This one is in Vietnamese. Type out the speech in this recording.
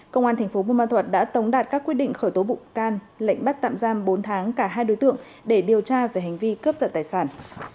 công an thành phố bù ma thuật đã tống đạt các quyết định khởi tố bụng can lệnh bắt tạm giam bốn tháng cả hai đối tượng để điều tra về hành vi cướp giật tài sản